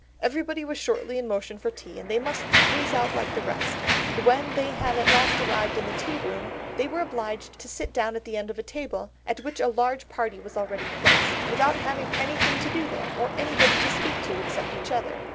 Everybody was shortly in motion for tea, and they must squeeze out like the rest ... and when they at last arrived in the tea room ... they were obliged to sit down at the end of a table, at which a large party were already placed, without having anything to do there, or anybody to speak to except each other....